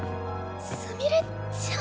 すみれちゃん？